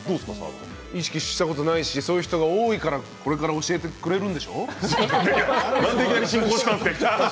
意識したことないしそういう人が多いから、これから教えてくれるんでしょう？